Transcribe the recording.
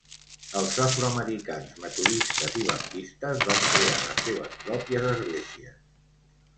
Els afroamericans metodistes i baptistes van crear les seves pròpies esglésies.